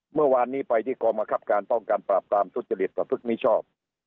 เมื่อวานนี้ไปที่กรมคับการป้องกันปราบปรามทุจริตประพฤติมิชอบ